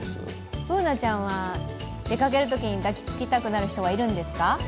Ｂｏｏｎａちゃんは出かけるときに抱きつきたくなる人はいるんですか？